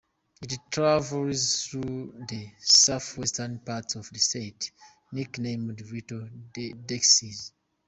It travels through the southeastern part of the state, nicknamed Little Dixie.